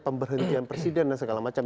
pemberhentian presiden dan segala macam